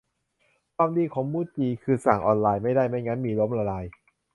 ความดีของมูจิคือสั่งออนไลน์ไม่ได้ ไม่งั้นมีล้มละลาย